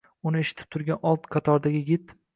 Uni eshitib turgan old qatordagi yigit